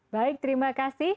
baik terima kasih